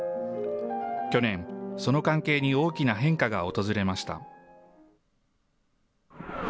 去年、その関係に大きな変化が訪れました。